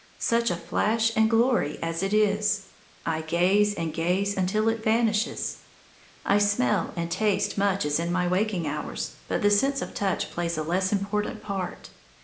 Such a flash and glory as it is! I gaze and gaze until it vanishes. I smell and taste much as in my waking hours; but the sense of touch plays a less important part.